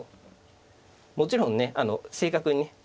もちろん正確にね。